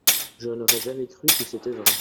Je n'aurais jamais cru que c'était vrai.